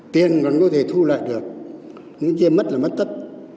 tiền còn có thể thu lại được nếu như mất là mất tất